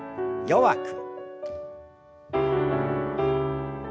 弱く。